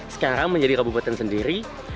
sekarang menjadi kabupaten sendiri